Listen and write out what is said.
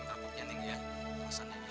kalau sananya saya butuh sien lagi